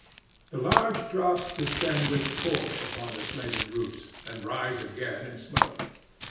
The large drops descend with force upon the slated roofs and rise again in smoke.